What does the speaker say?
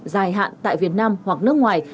dài hạn tại việt nam hoặc nước ngoài